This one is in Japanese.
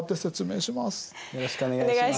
よろしくお願いします。